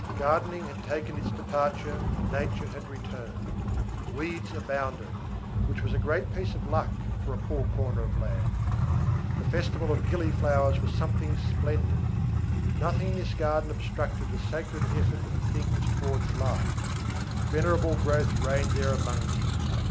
Gardening had taken its departure, and nature had returned. Weeds abounded, which was a great piece of luck for a poor corner of land. The festival of gilliflowers was something splendid. Nothing in this garden obstructed the sacred effort of things towards life; venerable growth reigned there among them.